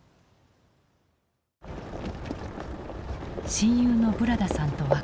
親友のブラダさんと別れ